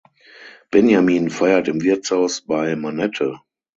Benjamin feiert im Wirtshaus bei Manette.